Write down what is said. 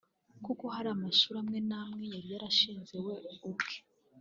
kuko hari amashuri amwe namwe yari yarashinze we ubwe